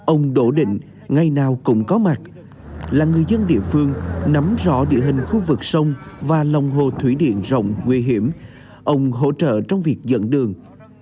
ông đỗ định ngày nào cũng có mặt là người dân địa phương nắm rõ địa hình khu vực sông và lòng hồ thủy điện rộng nguy hiểm ông hỗ trợ trong việc dẫn đường